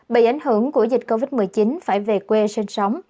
bị ảnh hưởng của dịch covid một mươi chín phải về quê sinh sống